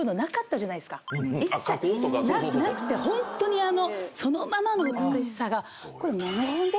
一切なくてホントにそのままの美しさが。